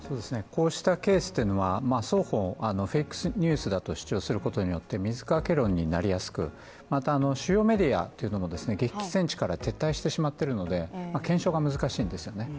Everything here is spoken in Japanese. こうしたケースというのは双方フェイクニュースだと主張することによって水掛け論になりやすく、また主要メディアも激戦地から撤退してしまっているので検証が難しいんですよね。